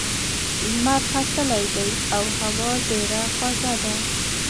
لمر ختلی دی او هوا ډېره خوږه ده.